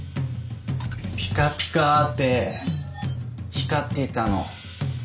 ピカピカって光っていたの。